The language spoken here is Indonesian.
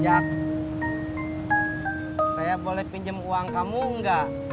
jack saya boleh pinjam uang kamu nggak